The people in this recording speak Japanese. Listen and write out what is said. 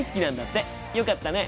よかったね。